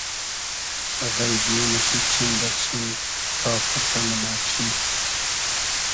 غݷدی موشی چیم دۂ چیم تا پۉرتۂ مونۂ چیم خو